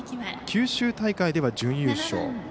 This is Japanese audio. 九州大会では準優勝。